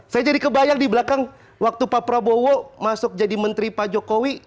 saya jadi kebayang di belakang waktu pak prabowo masuk jadi menteri pak jokowi